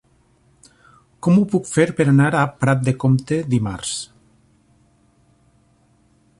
Com ho puc fer per anar a Prat de Comte dimarts?